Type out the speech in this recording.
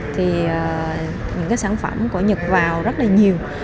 thì những cái sản phẩm của nhật vào rất là nhiều